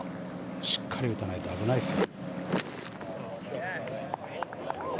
しっかり打たないと危ないですよ。